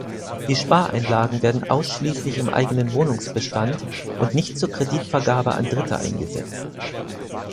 Die Spareinlagen werden ausschließlich im eigenen Wohnungsbestand und nicht zur Kreditvergabe an Dritte eingesetzt.